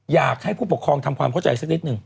อยากให้ผู้ปกครองทำความเข้าใจสักนิดหนึ่ง